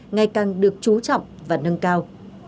ngày càng được trú trọng và nâng cao